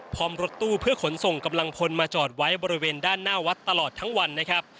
พร้อมรถตู้เพื่อขนส่งกำลังพลมาจอดไว้บริเวณด้านหน้าวัดตลอดทั้งวันนะครับ